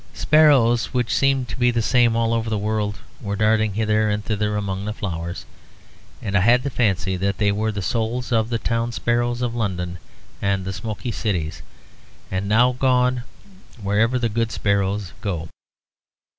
Sparrows, which seem to be the same all over the world, were darting hither and thither among the flowers; and I had the fancy that they were the souls of the town sparrows of London and the smoky cities, and now gone wherever the good sparrows go.